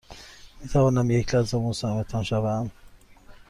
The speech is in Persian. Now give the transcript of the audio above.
می توانم یک لحظه مزاحمتان شوم؟